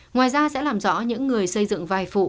ngoài ra sẽ làm rõ những người xây dựng vài phụ